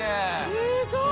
すごい！